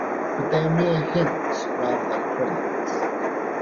But they are mere hints rather than prints.